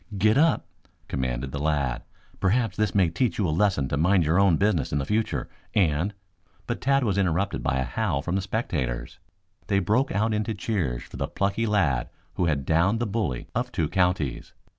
"Get up!" commanded the lad. "Perhaps this may teach you a lesson to mind your own business in the future, and " But Tad was interrupted by a howl from the spectators. They broke out into cheers for the plucky lad who had downed the bully of two counties.